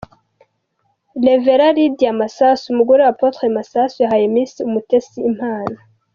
Rev Lydia Masasu umugore wa Apotre Masasu, yahaye Miss Umutesi impano.